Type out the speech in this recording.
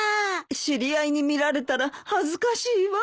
知り合いに見られたら恥ずかしいわ。